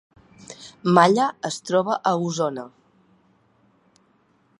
Malla es troba a Osona